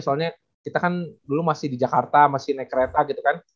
soalnya kita kan dulu masih di jakarta masih naik kereta gitu kan